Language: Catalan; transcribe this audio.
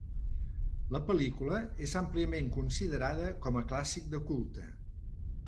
La pel·lícula és àmpliament considerada com a clàssic de culte.